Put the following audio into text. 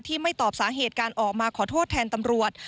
ไม่ตอบสาเหตุการออกมาขอโทษแทนตำรวจ